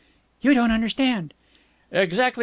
"You don't understand!" "Exactly!